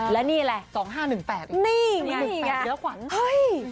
แล้วนี่อะไร๒๕๑๘